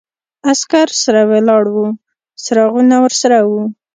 عسکرو سره ولاړ و، څراغونه ورسره و.